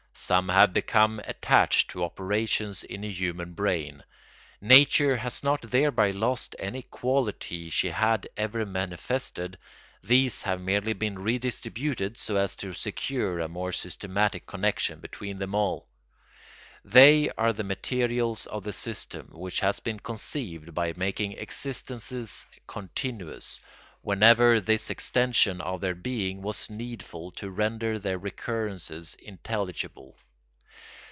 Some have become attached to operations in the human brain. Nature has not thereby lost any quality she had ever manifested; these have merely been redistributed so as to secure a more systematic connection between them all. They are the materials of the system, which has been conceived by making existences continuous, whenever this extension of their being was needful to render their recurrences intelligible.